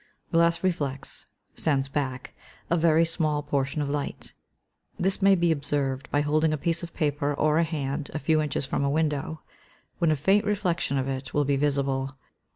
_ Glass reflects (sends back) a very small portion of light. This may be observed by holding a piece of paper, or a hand, a few inches from a window, when a faint reflection of it will be visible.